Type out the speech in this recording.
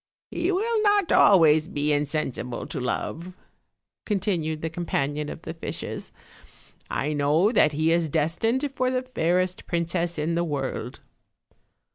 "He will not always be insensible to love," continued the companion of the fishes. "I know that he is destined for the fairest princess in the world."